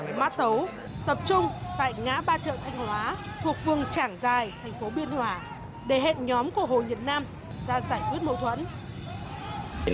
mã tấu tập trung tại ngã ba chợ thanh hóa thuộc phường trảng dài thành phố biên hòa để hẹn nhóm của hồ nhật nam ra giải quyết mâu thuẫn